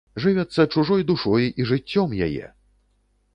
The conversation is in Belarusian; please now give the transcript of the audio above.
Жывяцца чужой душой і жыццём яе!